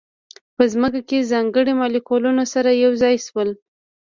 په ځمکه کې ځانګړي مالیکولونه سره یو ځای شول.